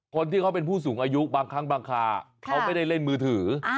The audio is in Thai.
คนที่เขาเป็นผู้สูงอายุบางครั้งบางคาเขาไม่ได้เล่นมือถือ